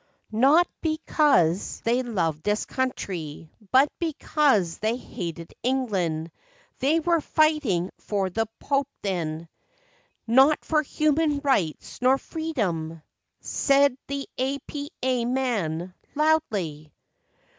''Not because they loved this country, But because they hated England! They were fighting for the Pope, then; Not for human rights nor freedom," * Said the A. P. A. man, loudly.